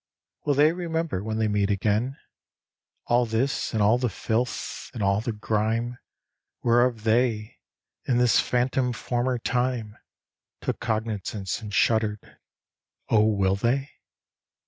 Will they remember when they meet again All this, and all the filth, and all the grime Whereof they, in this phantom former time, Took cognisance and shuddered O will they